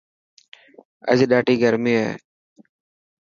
اڄ ڏاڌي گرمي هي.